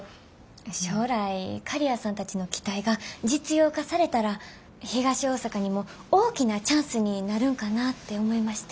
将来刈谷さんたちの機体が実用化されたら東大阪にも大きなチャンスになるんかなって思いまして。